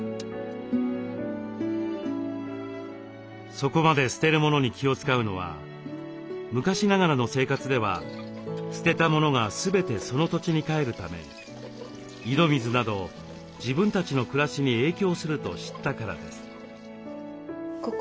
そこまで捨てるものに気を遣うのは昔ながらの生活では捨てたものが全てその土地にかえるため井戸水など自分たちの暮らしに影響すると知ったからです。